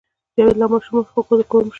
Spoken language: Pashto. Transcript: جاوید لا ماشوم و خو د کور مشر و